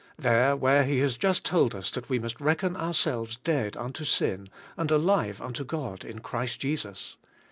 there where he has just told us that we must reckon ourselves dead unto sin, and alive unto God in Christ Jesus?